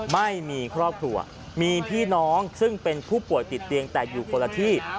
ไม่มีครอบครัวมีพี่น้องซึ่งเป็นผู้ป่วยติดเตียงแต่อยู่คนละที่